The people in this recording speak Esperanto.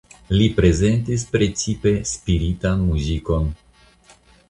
Li prezentis precipe spiritan muzikon.